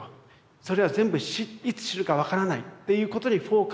それは全部「いつ死ぬか分からない」っていうことにフォーカスしてる。